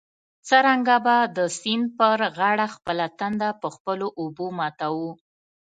څرنګه به د سیند پر غاړه خپله تنده په خپلو اوبو ماتوو.